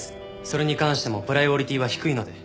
それに関してもプライオリティは低いので。